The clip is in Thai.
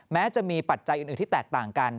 แม้จะมีปัจจัยอื่นที่แตกต่างกัน